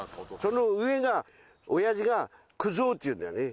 その上が親父が九蔵っていうんだよね